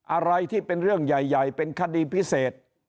อะไรที่เป็นเรื่องใหญ่เป็นคดีพิเศษ